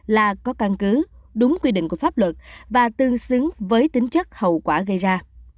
là có căn cứ đúng quy định của pháp luật và tương xứng với tính chất hậu quả gây ra